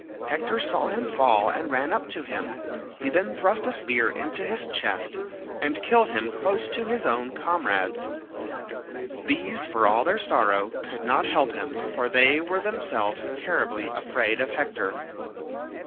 Hector saw him fall and ran up to him; he then thrust a spear into his chest, and killed him close to his own comrades. These, for all their sorrow, could not help him for they were themselves terribly afraid of Hector.